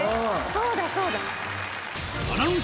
そうだそうだ。